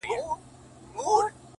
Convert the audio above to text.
o زه به د څو شېبو لپاره نور؛